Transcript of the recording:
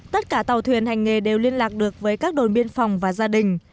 tất cả tàu thuyền hành nghề đều liên lạc được với các đồn biên phòng và gia đình